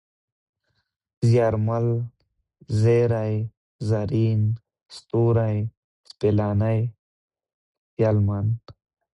زيارمل ، زېرى ، زرين ، ستوری ، سپېلنی ، سلېمان